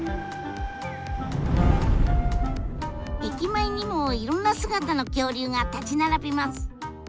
駅前にもいろんな姿の恐竜が立ち並びます。